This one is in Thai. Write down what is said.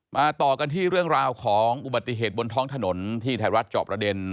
ต่อกันที่เรื่องราวของอุบัติเหตุบนท้องถนนที่ไทยรัฐจอบประเด็น